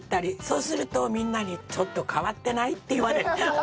そうするとみんなにちょっと変わってない？って言われる。